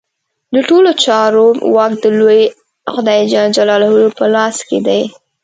د ټولو چارو واک د لوی خدای جل جلاله په لاس کې دی.